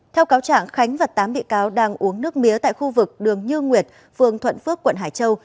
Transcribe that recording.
theo cáo trạng khánh và tám bị cáo đang uống nước mía tại khu vực đường như nguyệt phường thuận phước quận hải châu